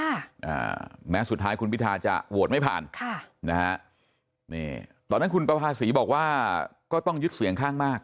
อ่าแม้สุดท้ายคุณพิทาจะโหวตไม่ผ่านค่ะนะฮะนี่ตอนนั้นคุณประภาษีบอกว่าก็ต้องยึดเสียงข้างมาก